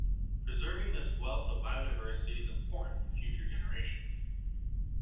Preserving this wealth of biodiversity is important for future generations.